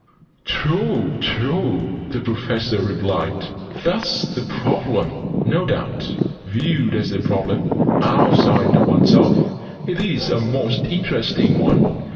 "True, true!" the Professor replied. "That's the Problem, no doubt. Viewed as a Problem, outside of oneself, it is a most interesting one.